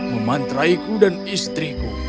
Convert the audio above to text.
memantraiku dan istriku